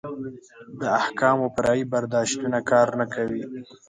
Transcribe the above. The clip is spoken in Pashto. د احکامو فرعي برداشتونه کار نه کوي.